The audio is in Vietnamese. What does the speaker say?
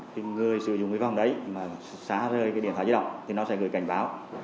khi người sử dụng cái vòng đấy mà xá rơi cái điện thoại di động thì nó sẽ gửi cảnh báo